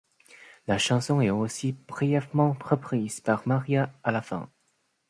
La chanson est aussi brièvement reprise par Maria à la fin.